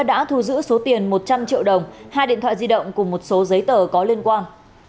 đã thu giữ số tiền một trăm linh triệu đồng hai điện thoại di động cùng một số giấy tờ có liên quan